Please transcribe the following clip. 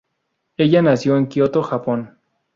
Ella nació en Kyoto, Japón.